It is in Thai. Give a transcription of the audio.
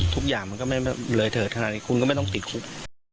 ทุกอย่างมันก็ไม่เลยเถิดขนาดนี้คุณก็ไม่ต้องติดคุก